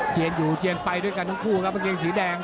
อยู่เจียนไปด้วยกันทั้งคู่ครับกางเกงสีแดง